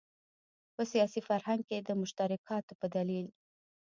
په سیاسي فرهنګ کې د مشترکاتو په دلیل.